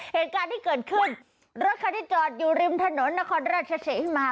เหตุการณ์ที่เกิดขึ้นรถคันที่จอดอยู่ริมถนนนครราชศรีมา